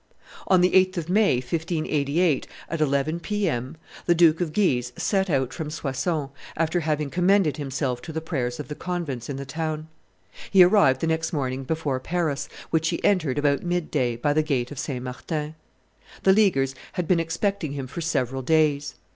On the 8th of May, 1588, at eleven P. M., the Duke of Guise set out from Soissons, after having commended himself to the prayers of the convents in the town. He arrived the next morning before Paris, which he entered about midday by the gate of St. Martin. The Leaguers had been expecting him for several days.